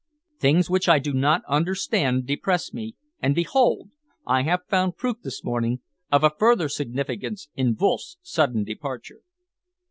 Things which I do not understand depress me, and behold! I have found proof this morning of a further significance in Wolff's sudden departure."